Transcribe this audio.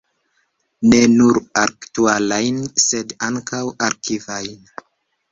Ne nur aktualajn, sed ankaŭ arkivajn.